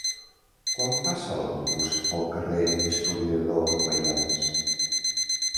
Quan passa l'autobús pel carrer Historiador Maians?